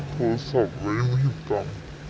โทรศัพท์ไม่มีตังค์